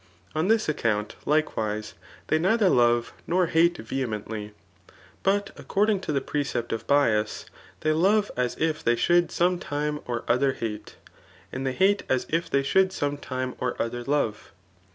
On thib accoimt, likewise, they neither Jore nor hate vehemently \ but acceding to the precept ;of ftas'they love as if they should some time or other hati^ snd they hate as if they diould some time or other iove.